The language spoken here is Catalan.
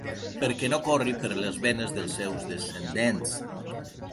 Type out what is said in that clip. Perquè no corri per les venes dels seus descendents!